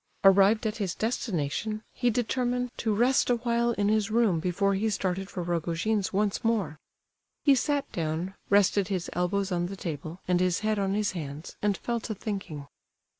Arrived at his destination, he determined to rest awhile in his room before he started for Rogojin's once more. He sat down, rested his elbows on the table and his head on his hands, and fell to thinking.